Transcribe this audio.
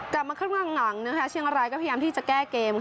กลับมาครึ่งหลังเชียงรายก็พยายามที่จะแก้เกม